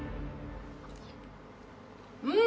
うん！